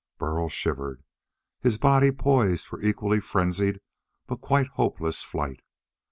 Burl shivered, his body poised for equally frenzied but quite hopeless flight.